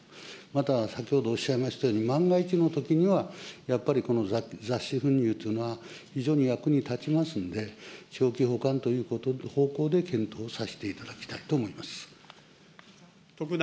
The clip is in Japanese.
また、先ほどおっしゃいましたように、万が一のときには、やっぱりこの脱脂粉乳というのは、非常に役に立ちますんで、長期保管という方向で検討させていただきたいと思います。